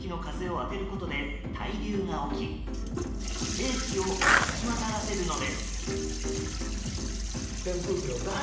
扇風機の風を当てることで対流が起き冷気を行き渡らせるのです。